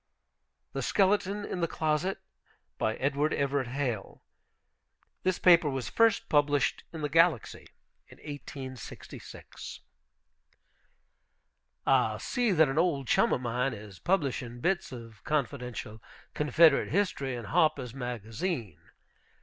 THE SKELETON IN THE CLOSET BY EDWARD EVERETT HALE (This paper was first published in the Galaxy, in 1866.) I see that an old chum of mine is publishing bits of confidential Confederate History in Harper's Magazine.